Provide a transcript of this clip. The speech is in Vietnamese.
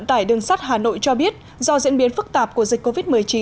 tải đường sắt hà nội cho biết do diễn biến phức tạp của dịch covid một mươi chín